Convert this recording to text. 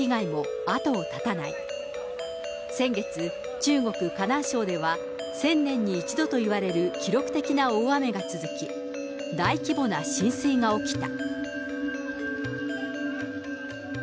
中国・河南省では、１０００年に１度といわれる記録的な大雨が続き、大規模な浸水が起きた。